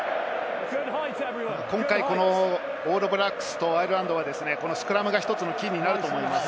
今回、オールブラックスとアイルランドは、スクラムが１つのキーになると思います。